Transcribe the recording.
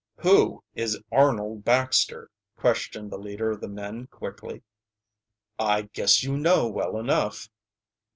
"Who is Arnold Baxter?" questioned the leader of the men quickly. "I guess you know well enough."